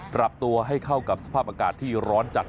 ปรับตัวให้เข้ากับสภาพอากาศที่ร้อนจัด